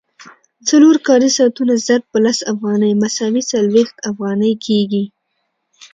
څلور کاري ساعتونه ضرب په لس افغانۍ مساوي څلوېښت افغانۍ کېږي